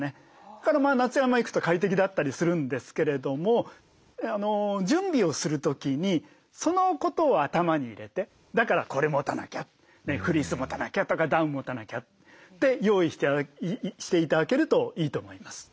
だから夏山行くと快適だったりするんですけれども準備をする時にそのことを頭に入れてだからこれ持たなきゃフリース持たなきゃとかダウン持たなきゃって用意して頂けるといいと思います。